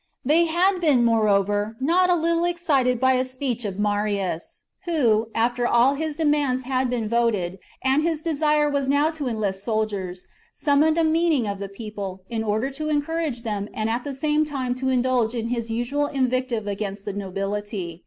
They had been, moreover, not a little excited by a speech of Marius ; who, after all his demands had been voted, and his desire was now to enlist soldiers, summoned a meeting of the people, in order to en courage them and at the same time to indulge in his usual invective against the nobility.